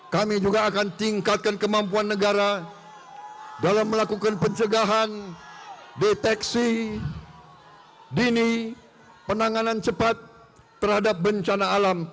kami juga akan tingkatkan kemampuan negara dalam melakukan pencegahan deteksi dini penanganan cepat terhadap bencana alam